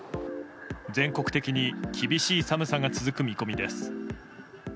全国的に厳しい寒さが続く見込みです。